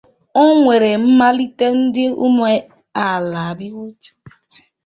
O nwere mmalite dị umeala.